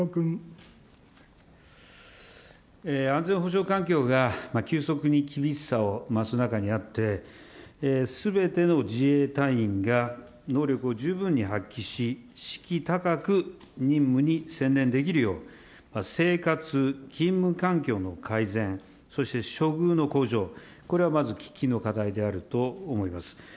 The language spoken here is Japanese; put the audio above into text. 安全保障環境が急速に厳しさを増す中にあって、すべての自衛隊員が能力を十分に発揮し、士気高く任務に専念できるよう、生活、勤務環境の改善、そして処遇の向上、これはまず喫緊の課題であると思います。